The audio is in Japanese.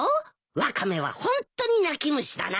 ワカメはホントに泣き虫だな。